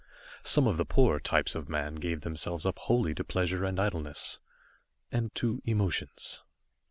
Some of the poorer types of man gave themselves up wholly to pleasure and idleness and to emotions.